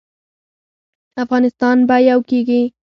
افغانستان به یو کیږي